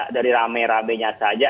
dari rame ramenya saja